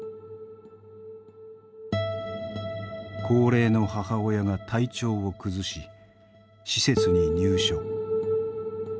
高齢の母親が体調を崩し施設に入所。